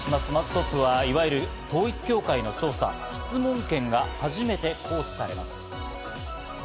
トップは、いわゆる統一教会を調査、質問権が初めて行使されます。